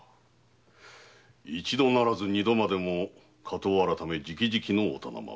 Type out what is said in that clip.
一度ならず二度までも火盗改直々のお店回り。